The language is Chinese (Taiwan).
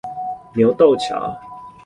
牛鬥橋